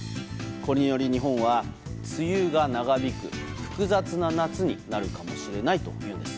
これにより日本は梅雨が長引く複雑な夏になるかもしれないというんです。